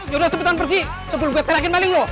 yaudah cepetan pergi sebelum gue teriakan maling lo